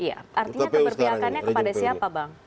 iya artinya keberpihakannya kepada siapa bang